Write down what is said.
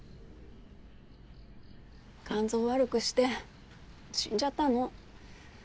肝臓を悪くして死んじゃったの。